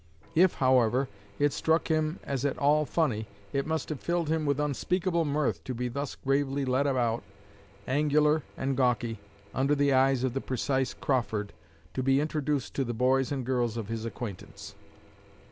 If, however, it struck him as at all funny, it must have filled him with unspeakable mirth to be thus gravely led about, angular and gawky, under the eyes of the precise Crawford, to be introduced to the boys and girls of his acquaintance.